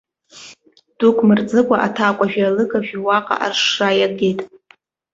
Дук мырҵыкәа аҭакәажәи алыгажәи уаҟа аршра иагеит.